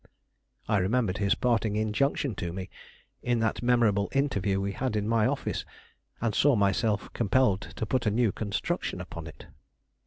I remembered his parting injunction to me, in that memorable interview we had in my office, and saw myself compelled to put a new construction upon it.